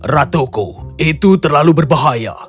ratuku itu terlalu berbahaya